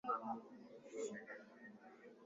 ni vyakula hivyo matunda na mboga mboga